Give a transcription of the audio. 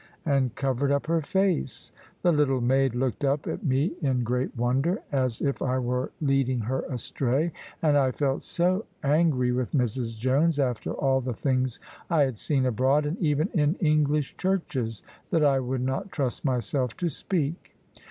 and covered up her face. The little maid looked up at me in great wonder, as if I were leading her astray; and I felt so angry with Mrs Jones, after all the things I had seen abroad, and even in English churches, that I would not trust myself to speak.